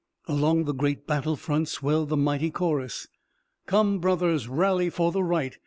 Along the great battle front swelled the mighty chorus: "Come brothers! Rally for the right!